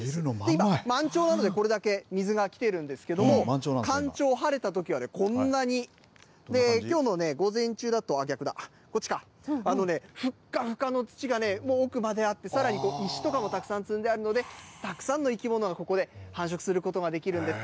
今、満潮なので、これだけ水が来てるんですけども、干潮、晴れたときはこんなに、きょうの午前中だと、逆だ、こっちか、ふっかふかの土がね、奥まであって、さらに石とかもたくさん積んであるので、たくさんの生き物がここで繁殖することができるんです。